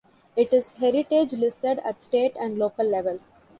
It is heritage-listed at state and local level.